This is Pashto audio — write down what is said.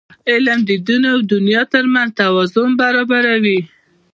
علم د دین او دنیا ترمنځ توازن برابروي.